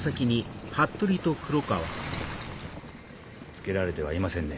つけられてはいませんね。